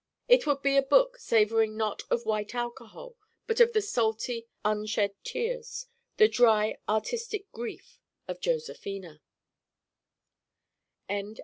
It would be a book savoring not of white alcohol but of the salty unshed Tears, the dry artistic Griefs of Josephina.